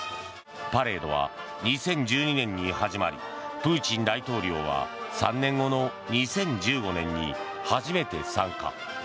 パレードは２０１２年に始まりプーチン大統領は３年後の２０１５年に初めて参加。